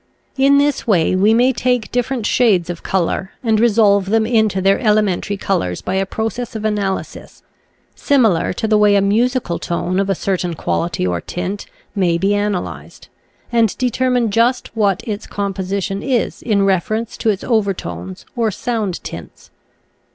In this way we may take dif ferent shades of color and resolve them into their elementary colors by a process of analysis, similar to the way a musical tone of a certain quality or tint may be analyzed, and deter mine just what its composition is in reference to its overtones or sound tints.